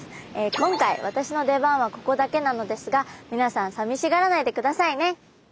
今回私の出番はここだけなのですが皆さんさみしがらないでくださいね。